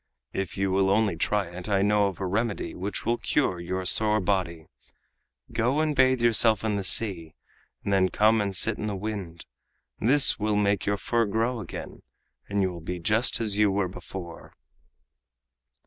If you will only try it, I know of a remedy which will cure your sore body. Go and bathe yourself in the sea, and then come and sit in the wind. This will make your fur grow again, and you will be just as you were before."